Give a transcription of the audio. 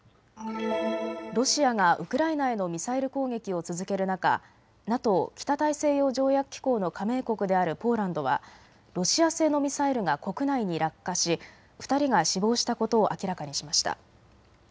ロシアがウクライナへのミサイル攻撃を続ける中、ＮＡＴＯ北大西洋条約機構の加盟国であるポーランドはロシア製のミサイルが国内に落下し２人が死亡したことを明らかにしました。